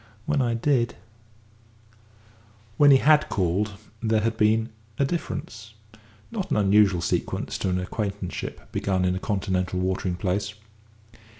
When I did " When he had called, there had been a difference not an unusual sequel to an acquaintanceship begun in a Continental watering place.